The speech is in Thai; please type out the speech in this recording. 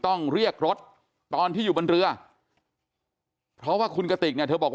ต้องเรียกรถตอนที่อยู่บนเรือเพราะว่าคุณกติกเนี่ยเธอบอก